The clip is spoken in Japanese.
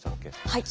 はい。